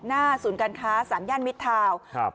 หน้าศูนย์การค้าสามญาณมิตรทาวน์